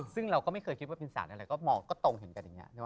ซึ่งเราก็ไม่เคยคิดว่าเป็นสารอะไรก็มองก็ตรงเห็นกันอย่างนี้